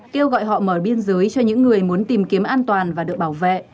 kêu gọi họ mở biên giới cho những người muốn tìm kiếm an toàn và được bảo vệ